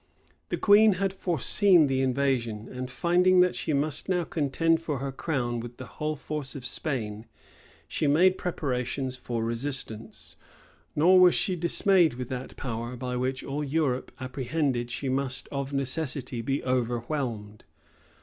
The queen had foreseen the invasion; and finding that she must now contend for her crown with the whole force of Spain, she made preparations for resistance; nor was she dismayed with that power, by which all Europe apprehended she must of necessity be overwhelmed.